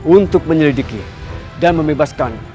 untuk menyelidiki dan membebaskan